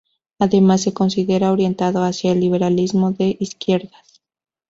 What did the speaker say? Además, se considera orientado hacia el liberalismo de izquierdas.